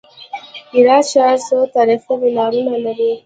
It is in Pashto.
هرات ښار څو تاریخي منارونه لري؟